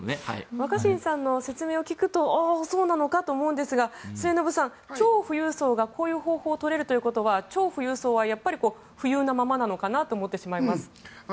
若新さんの説明を聞くとそうなのかと思うんですが末延さん、超富裕層がこういう方法を取れるということは超富裕層はやっぱり富裕のままなのかなと思ってしまいます。